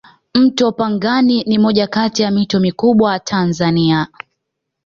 mto pangani ni moja Kati ya mito mikubwa tanzania